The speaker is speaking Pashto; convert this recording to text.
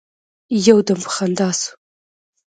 يو دم په خندا سو.